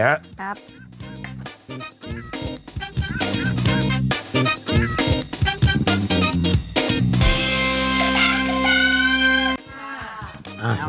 ครับ